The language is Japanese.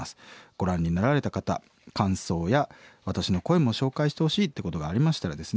ご覧になられた方感想や私の声も紹介してほしいっていうことがありましたらですね